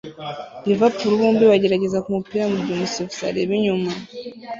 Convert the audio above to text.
Liverpool bombi bagerageza kumupira mugihe umusifuzi areba inyuma